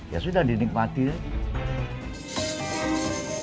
ya sudah dinikmati jadi saya tidak merasa sumpuk atau